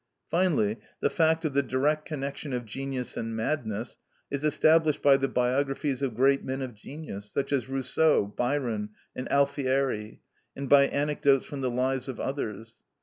Finally, the fact of the direct connection of genius and madness is established by the biographies of great men of genius, such as Rousseau, Byron, and Alfieri, and by anecdotes from the lives of others.